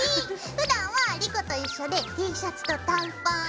ふだんは莉子と一緒でＴシャツと短パン。